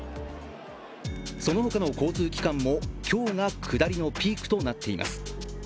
その他の交通機関も今日が下りのピークとなっています。